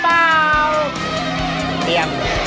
เปรียบหรือเปล่า